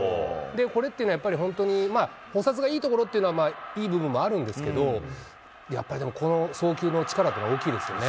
これってね、やっぱり本当に捕殺がいいところというのは、いい部分もあるんですけど、やっぱりでもこの送球の力というのは大きいですよね。